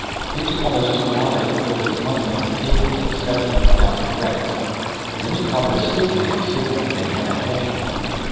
It took almost two hours to build his money on the table to seven hundred thousand credits. Then he caught the stick man signaling they had a heavy winner.